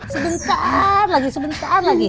sebentar lagi sebentar lagi